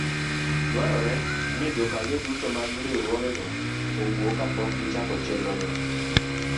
dwarore ni jokanyo duto mag riwruogego owuo kapok gichako chenrono.